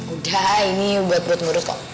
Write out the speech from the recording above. udah ini buat urut urut kok